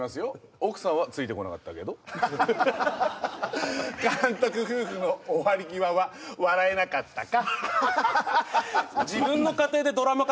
奥さんはついてこなかったけど監督夫婦の終わり際は笑えなかったか自分の家庭でドラマ化